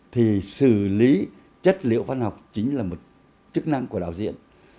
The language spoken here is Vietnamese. thì xử lý chất liệu văn học chính là một chức năng của đạo diễn